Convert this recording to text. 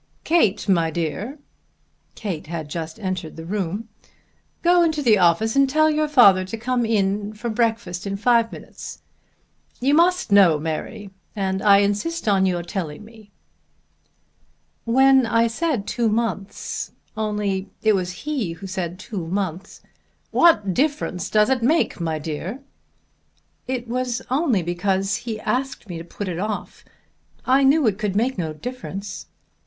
Kate, my dear," Kate had just entered the room, "go into the office and tell your father to come into breakfast in five minutes. You must know, Mary, and I insist on your telling me." "When I said two months, only it was he said two months " "What difference does it make, my dear?" "It was only because he asked me to put it off. I knew it could make no difference."